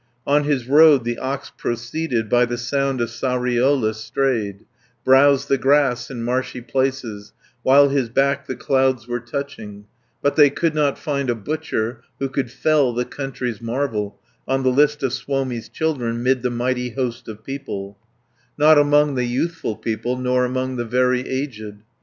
On his road the ox proceeded By the Sound of Sariola strayed; Browsed the grass in marshy places, While his back the clouds were touching; But they could not find a butcher, Who could fell the country's marvel On the list of Suomi's children, 'Mid the mighty host of people, 50 Not among the youthful people, Nor among the very aged.